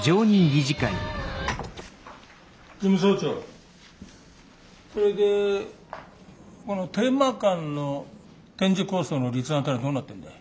事務総長それでこのテーマ館の展示構想の立案ってのはどうなってるんだよ。